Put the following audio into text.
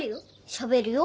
しゃべるよ。